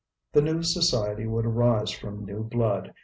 The new society would arise from new blood.